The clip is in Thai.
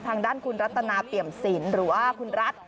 ทางด้านคุณรัตนาเปี่ยมศิลป์หรือว่าคุณรัฐ